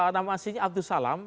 nama aslinya abdus salam